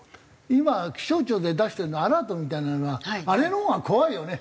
今気象庁で出してるアラートみたいなのはあれのほうが怖いよね。